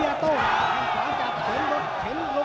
หรือว่าผู้สุดท้ายมีสิงคลอยวิทยาหมูสะพานใหม่